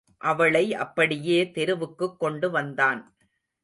அவளை அப்படியே தெருவுக்குக் கொண்டு வந்தான்.